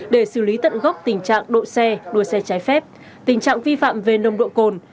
để xử lý tận gốc tình trạng độ xe đua xe trái phép tình trạng vi phạm về nồng độ cồn